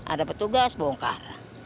ada petugas bongkar